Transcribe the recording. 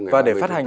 và để phát hành